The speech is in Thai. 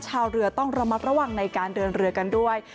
ชาวเรือต้องระมัดระวังในการเดินเรือกันด้วย